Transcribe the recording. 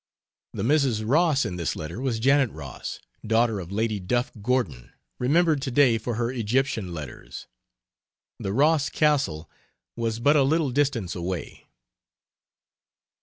The Mrs. Ross in this letter was Janet Ross, daughter of Lady Duff Gordon, remembered to day for her Egyptian letters. The Ross castle was but a little distance away.